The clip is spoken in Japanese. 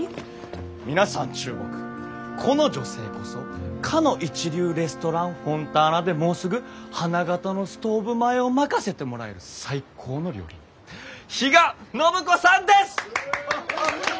皆さん注目この女性こそかの一流レストランフォンターナでもうすぐ花形のストーブ前を任せてもらえる最高の料理人比嘉暢子さんです！